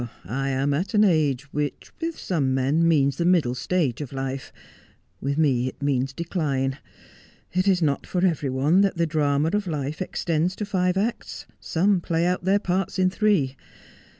'I am at an age which with some men means the middle stage of life — with me it means decline. It is not for every one that the drama of life extends to five acts — some play out their parts in three.